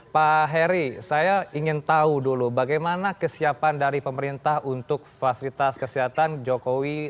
pak heri saya ingin tahu dulu bagaimana kesiapan dari pemerintah untuk fasilitas kesehatan jokowi